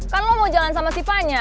kan lo mau jalan sama si fanya